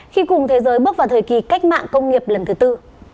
khi cùng thế giới bước vào thời kỳ cách mạng công nghiệp lần thứ tư